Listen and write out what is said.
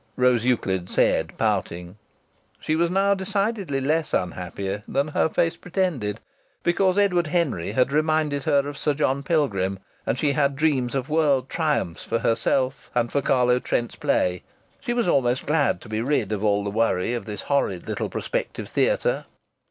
Rose Euclid said, pouting. She was now decidedly less unhappy than her face pretended, because Edward Henry had reminded her of Sir John Pilgrim, and she had dreams of world triumphs for herself and for Carlo Trent's play. She was almost glad to be rid of all the worry of the horrid little prospective theatre.